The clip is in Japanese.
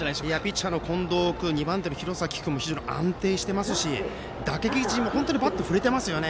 ピッチャーの近藤君２番手の廣崎君も非常に安定していますし打撃陣もバットを振れてますよね。